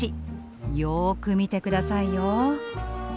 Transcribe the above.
よく見て下さいよ。